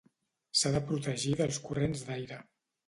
S'ha de protegir dels corrents d'aire.